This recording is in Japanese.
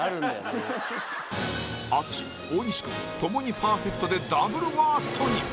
淳大西君共にパーフェクトでダブルワーストに